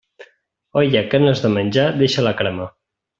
Olla que no has de menjar, deixa-la cremar.